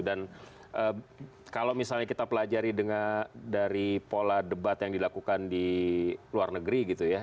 dan kalau misalnya kita pelajari dengan dari pola debat yang dilakukan di luar negeri gitu ya